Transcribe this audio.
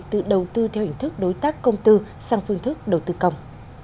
từ đầu tư theo hình thức đối tác công tư sang phương thức đầu tư công